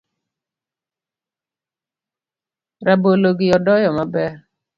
Rabolo gi odoyo maber